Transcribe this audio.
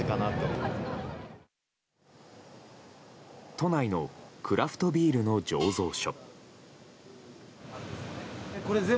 都内のクラフトビールの醸造所。